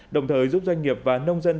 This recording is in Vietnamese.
đồng thời giúp doanh nghiệp và nông dân